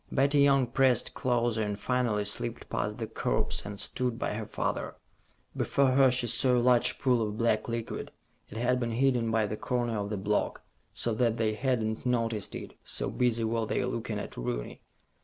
Betty Young pressed closer, and finally slipped past the corpse and stood by her father. Before her, she saw a large pool of black liquid. It had been hidden by the corner of the block, so that they had not noticed it, so busy were they looking at Rooney.